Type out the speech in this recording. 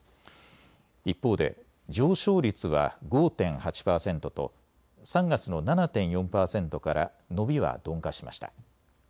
一方で上昇率は５．８％と３月の７．４％から伸びは鈍化しました。